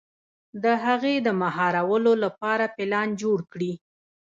د هغې د مهارولو لپاره پلان جوړ کړي.